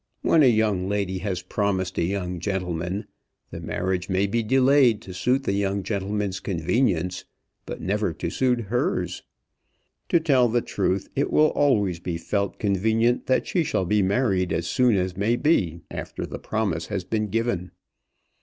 When a young lady has promised a young gentleman, the marriage may be delayed to suit the young gentleman's convenience, but never to suit hers. To tell the truth, it will always be felt convenient that she shall be married as soon as may be after the promise has been given.